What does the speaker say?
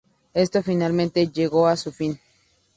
Esto finalmente llegó a su fin.